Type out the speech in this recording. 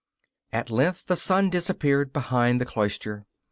At length the sun disappeared behind the cloister.